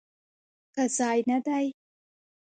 ښه ځای نه دی؟